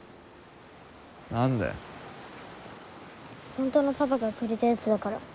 本当のパパがくれたやつだから。